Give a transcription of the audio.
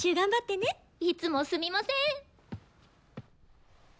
いつもすみません。